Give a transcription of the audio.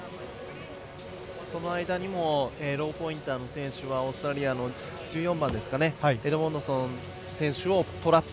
その間にもローポインターの選手はオーストラリアの１４番、エドモンドソン選手をトラップ。